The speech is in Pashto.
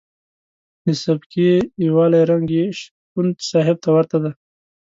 د سبکي یوالي رنګ یې شپون صاحب ته ورته دی.